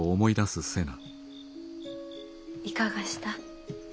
いかがした？